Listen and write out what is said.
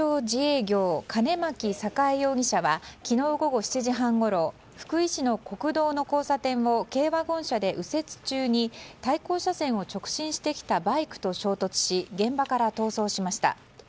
自営業印牧栄容疑者は昨日午後７時半ごろ福井市の国道の交差点を軽ワゴン車で右折中に対向車線を直進してきたバイクと衝突し現場から逃走しました。